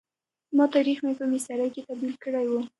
ما تاریخ مې په میسترې کي تبد یل کړی وو.